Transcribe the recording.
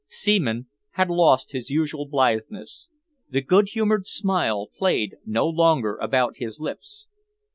Seaman had lost his usual blitheness. The good humoured smile played no longer about his lips.